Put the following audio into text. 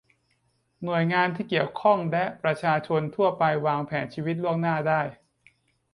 หน่วยงานที่เกี่ยวข้องและประชาชนทั่วไปวางแผนชีวิตล่วงหน้าได้